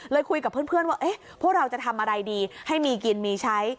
คุยกับเพื่อนว่าพวกเราจะทำอะไรดีให้มีกินมีใช้